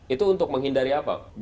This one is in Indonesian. itu untuk menghindari apa